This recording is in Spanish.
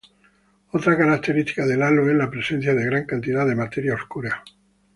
Otra característica del halo es la presencia de gran cantidad de materia oscura.